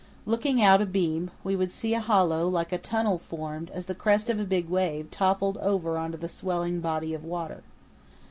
Looking out abeam, we would see a hollow like a tunnel formed as the crest of a big wave toppled over on to the swelling body of water.